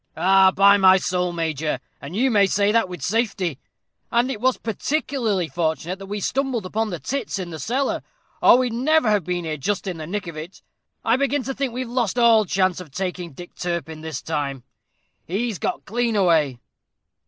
"Arrah, by my sowl, major, and you may say that with safety; and it was particularly fortunate that we stumbled upon the tits in the cellar, or we'd never have been here just in the nick of it. I begin to think we've lost all chance of taking Dick Turpin this time. He's got clean away."